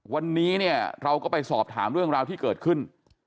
วันนี้เนี่ยเราก็ไปสอบถามเรื่องราวที่เกิดขึ้น